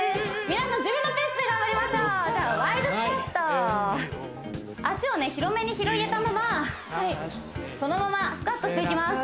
皆さん自分のペースで頑張りましょうじゃあワイドスクワット脚を広めに広げたままそのままスクワットしていきます